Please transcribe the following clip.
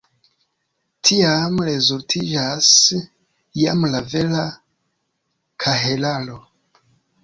Tiam rezultiĝas jam la vera kahelaro.